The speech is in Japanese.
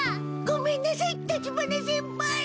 ごめんなさい立花先輩！